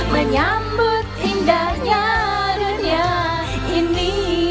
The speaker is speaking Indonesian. menyambut indahnya dunia ini